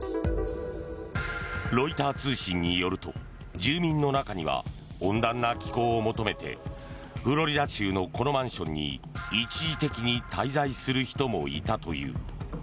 ロイター通信によると住民の中には温暖な気候を求めてフロリダ州のこのマンションに一時的に滞在する人もいたという。